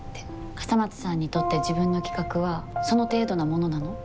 笠松さんにとって自分の企画はその程度なものなの？